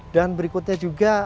dan berikutnya juga